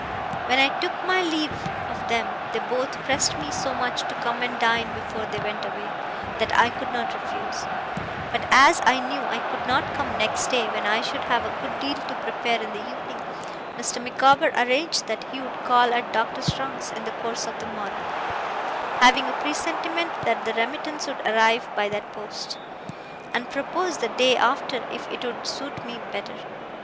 When I took my leave of them, they both pressed me so much to come and dine before they went away, that I could not refuse. But, as I knew I could not come next day, when I should have a good deal to prepare in the evening, Mr. Micawber arranged that he would call at Doctor Strong's in the course of the morning (having a presentiment that the remittance would arrive by that post), and propose the day after, if it would suit me better.